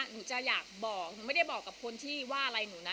หนูจะอยากบอกหนูไม่ได้บอกกับคนที่ว่าอะไรหนูนะ